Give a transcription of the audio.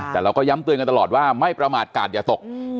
แต่เราก็ย้ำเตือนกันตลอดว่าไม่ประมาทกาศอย่าตก